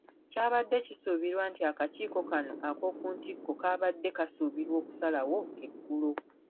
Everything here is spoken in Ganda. Kyabadde kisuubirwa nti akakiiko kano ak’oku ntikko kaabadde kasuubirwa okusalawo eggulo.